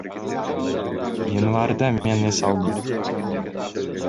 Январда мен эс алдым.